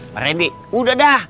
pak randy udah dah